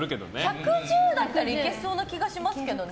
１１０だったらいけそうな気がしますけどね。